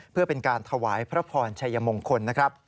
เพื่อเป็นการถวายพระพรชัยมงคล